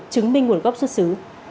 chứng minh nguồn gốc xuất xứ